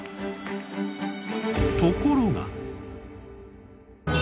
ところが！